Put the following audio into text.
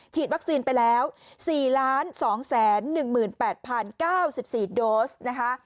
วัคซีนไปแล้ว๔๒๑๘๐๙๔โดสนะคะ